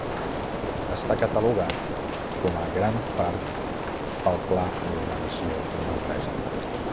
Està catalogat com a gran parc pel Pla d'Ordenació de Manresa.